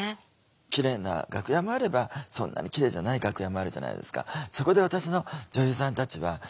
キレイな楽屋もあればそんなにキレイじゃない楽屋もあるじゃないですか。